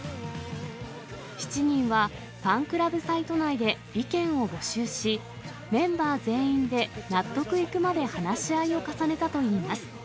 ７人は、ファンクラブサイト内で意見を募集し、メンバー全員で納得いくまで話し合いを重ねたといいます。